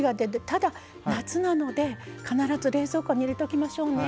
ただ夏なので必ず冷蔵庫に入れときましょうね。